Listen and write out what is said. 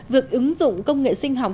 việc ứng dụng công nghệ sinh học